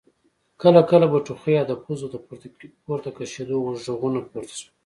کله کله به ټوخی او د پزو د پورته کشېدو غږونه پورته شول.